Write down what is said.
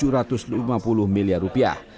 rp tujuh ratus lima puluh miliar rupiah